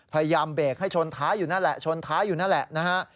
พยายามเบรกให้ชนท้ายอยู่นั่นแหละชนท้ายอยู่นั่นแหละนะฮะ